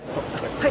はい。